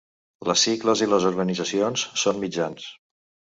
Les sigles i les organitzacions són mitjans.